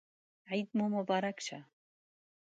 عید مو مبارک شه